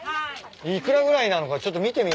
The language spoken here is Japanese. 幾らぐらいなのかちょっと見てみようかな。